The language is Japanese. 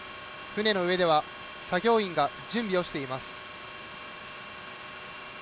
船の上では作業員が準備をしています。